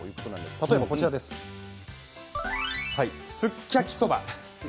例えば、すっきゃきそば。